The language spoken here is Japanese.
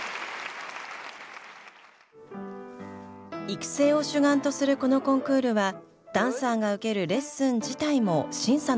育成を主眼とするこのコンクールはダンサーが受けるレッスン自体も審査の対象です。